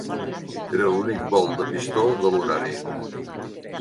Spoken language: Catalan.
Era l'únic vol de pistó de l'horari.